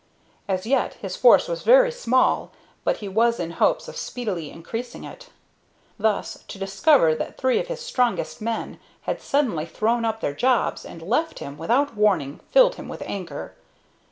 As yet his force was very small, but he was in hopes of speedily increasing it. Thus, to discover that three of his strongest men had suddenly thrown up their jobs and left him without warning filled him with anger.